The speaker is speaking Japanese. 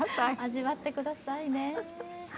味わってくださいね。